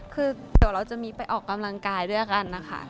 คือเดี๋ยวเราจะมีไปออกกำลังกายด้วยกันนะคะ